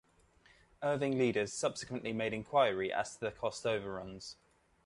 Irving leaders subsequently made inquiry as to the cost overruns.